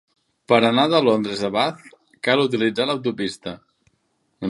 Per anar de Londres a Bath, cal utilitzar l'autopista